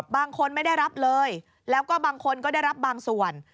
บางคนไม่ได้รับเลยแล้วก็บางคนก็ได้รับบางส่วน